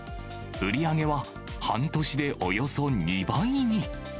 売り上げは半年でおよそ２倍に。